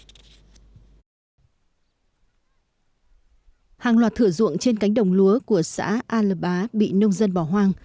hàng loạt thửa ruộng trên cánh đồng lúa của xã al ba bị nông dân bỏ hoang